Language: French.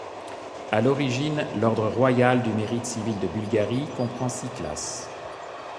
A l'origine, l'Ordre Royal du Mérite Civil de Bulgarie comprend six classes.